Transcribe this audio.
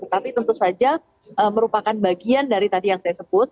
tapi tentu saja merupakan bagian dari tadi yang saya sebut